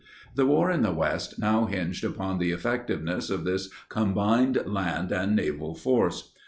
The war in the West now hinged upon the effectiveness of this combined land and naval force.